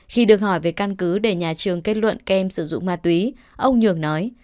khi được hỏi về căn cứ để nhà trường kết luận các em sử dụng ma túy ông nhường nói